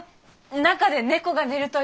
中で猫が寝るという！